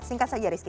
singkat saja rizky